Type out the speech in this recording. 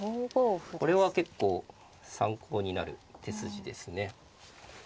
これは結構参考になる手筋ですね。